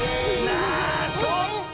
あそっか！